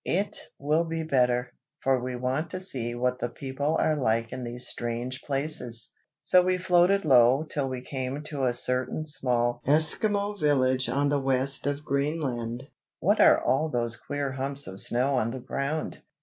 "It will be better, for we want to see what the people are like in these strange places." So we floated low till we came to a certain small Esquimaux village on the west of Greenland. "What are all those queer humps of snow on the ground?"